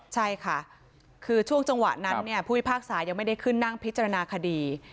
ใช่ค่ะช่วงจังหวะนั้นผู้องค์ภาคสายองค์ไม่ได้ขึ้นนั่งพิจารณาคดี